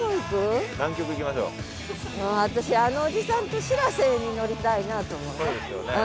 もう私あのおじさんとしらせに乗りたいなと思って。